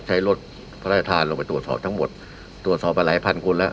ใช้รถพระราชทานลงไปตรวจสอบทั้งหมดตรวจสอบมาหลายพันคนแล้ว